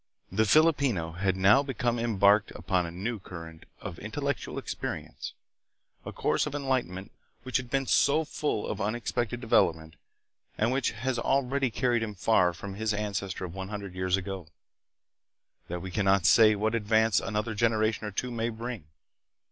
The Filipino had now become embarked upon a new cur rent of intellectual experience a course of enlighten ment which has been so full of unexpected development, and which has already carried him so far from his ancestor of one hundred years ago, that we can not say what ad vance another generation or two may bring.